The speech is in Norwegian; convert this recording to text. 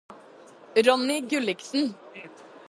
Ronny Gulliksen